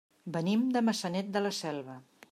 Venim de Maçanet de la Selva.